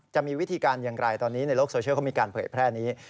จะมีวิธีการอย่างไรตอนนี้ในโลกโซเชียลเขามีการเผยแพร่นี้